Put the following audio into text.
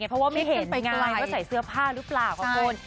เพราะว่าไม่เห็นไกลว่าใส่เสื้อผ้าหรือเปล่าค่ะคุณ